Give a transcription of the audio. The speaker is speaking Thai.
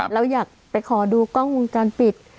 เราอยากไปขอดูกล้องวงจรปิด